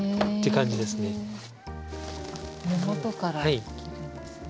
根元から切るんですね。